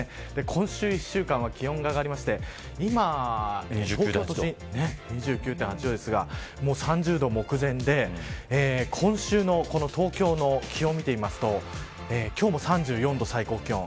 今週１週間は気温が上がりまして今、東京都心は２９．８度ですが３０度目前で今週の東京の気温を見てみると今日も３４度、最高気温。